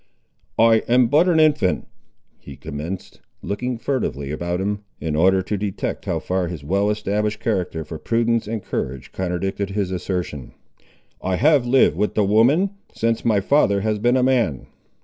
"I am but an infant," he commenced, looking furtively around him, in order to detect how far his well established character for prudence and courage contradicted his assertion. "I have lived with the women, since my father has been a man.